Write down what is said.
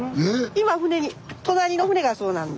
今船に隣の船がそうなんで。